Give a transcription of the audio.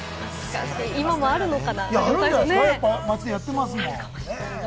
今もあるのかな？